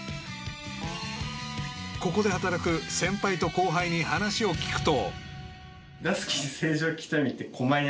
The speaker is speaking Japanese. ［ここで働く先輩と後輩に話を聞くと］